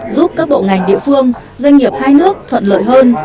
giúp các bộ ngành địa phương doanh nghiệp hai nước thuận lợi hơn